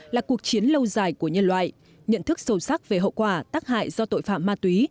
là cuộc chiến lâu dài của nhân loại nhận thức sâu sắc về hậu quả tác hại do tội phạm ma túy